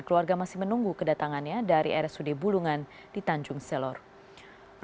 keluarga masih menunggu kedatangannya dari rsud bulungan di tanjung selor